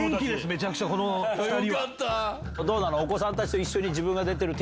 めちゃくちゃこの２人。